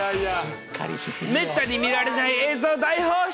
めったに見られない映像大放出。